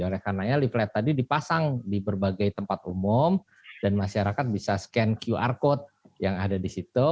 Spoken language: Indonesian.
karena leaflet tadi dipasang di berbagai tempat umum dan masyarakat bisa scan qr code yang ada di situ